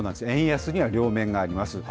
円安には両面があります。